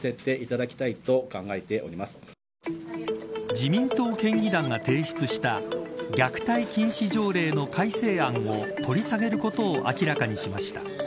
自民党県議団が提出した虐待禁止条例の改正案を取り下げることを明らかにしました。